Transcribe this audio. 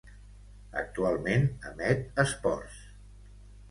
Actualment emet esports.